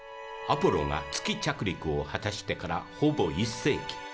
アポロが月着陸を果たしてからほぼ１世紀。